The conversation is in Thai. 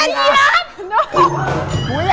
อะไรมึงพูด